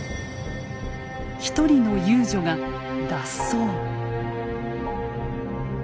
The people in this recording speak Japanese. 一人の遊女が脱走。